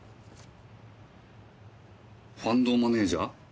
ファンドマネージャー？